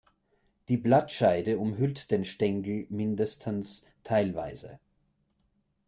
Die Blattscheide umhüllt den Stängel mindestens teilweise.